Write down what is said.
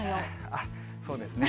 あっ、そうですね。